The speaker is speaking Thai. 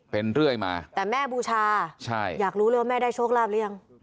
เป็นเรื่อยมาแต่แม่บูชาอยากรู้เลยว่าแม่ได้โชคลาภหรือยัง